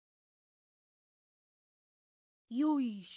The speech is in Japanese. よいしょ！